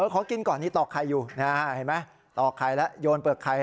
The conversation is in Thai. ขอกินก่อนตอกไข่อยู่ตอกไข่แล้วโยนเปิดไข่